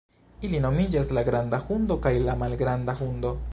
Ili nomiĝas la Granda Hundo kaj la Malgranda Hundo.